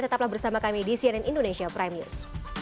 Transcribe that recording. tetaplah bersama kami di cnn indonesia prime news